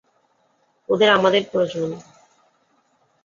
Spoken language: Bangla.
ওদের আমাদের প্রয়োজন।